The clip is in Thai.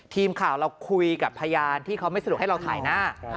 ทีมข่าวเราคุยกับพยานที่เขาไม่สะดวกให้เราถ่ายหน้า